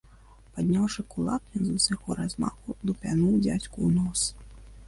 Падняўшы кулак, ён з усяго размаху лупянуў дзядзьку ў нос.